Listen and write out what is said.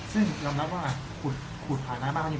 ซึ่งเรารับว่าขุดผ่านน้ำเข้าบ้าง